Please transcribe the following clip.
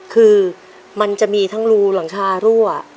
คือมันจะมีทั้งรูหลังคารั่ว